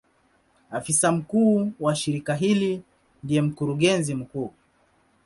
Afisa mkuu wa shirika hili ndiye Mkurugenzi mkuu.